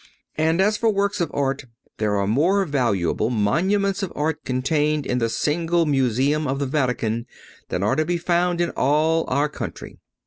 And as for works of art, there are more valuable monuments of art contained in the single museum of the Vatican than are to be found in all our country.